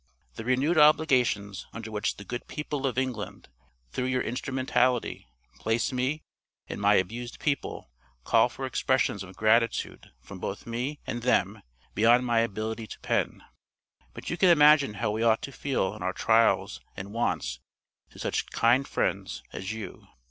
The renewed obligations under which the good people of England, through your instrumentality, place me and my abused people, call for expressions of gratitude from both me and them beyond my ability to pen. But you can imagine how we ought to feel in our trials and wants to such kind friends as you.